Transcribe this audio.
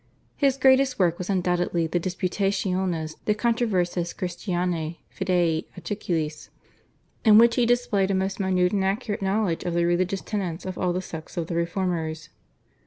His greatest work was undoubtedly the /Disputationes de controversis Christianae fidei articulis/, in which he displayed a most minute and accurate knowledge of the religious tenets of all the sects of the Reformers.